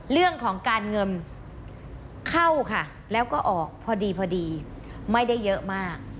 เรื่องของการเงินเข้าค่ะแล้วก็ออกพอดีพอดีไม่ได้เยอะมาก